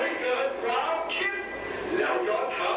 ได้คำอะไรไว้บ้างข้าสัตว์หลักสัตว์และพืชผิดในกลาง